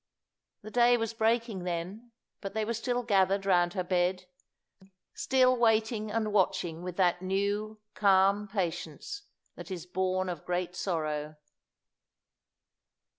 The day was breaking then, but they were still gathered round her bed still waiting and watching with that new, calm patience that is born of great sorrow.